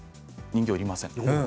人形いりませんと。